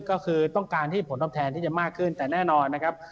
ก็คือต้องการที่ผลตอบแทนที่จะมากขึ้นแต่แน่นอนนะครับ